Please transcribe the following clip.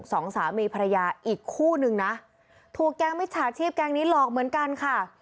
สองสามีภรรยาอีกคู่นึงนะถูกแก๊งมิจฉาชีพแก๊งนี้หลอกเหมือนกันค่ะ